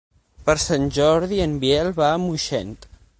Per Sant Jordi en Biel va a Moixent.